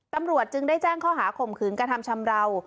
ตำรวจจึงได้แจ้งข้อหาข่มขืนกระทำชำราว